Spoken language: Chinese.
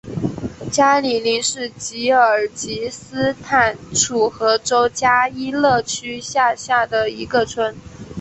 加里宁是吉尔吉斯斯坦楚河州加依勒区下辖的一个村。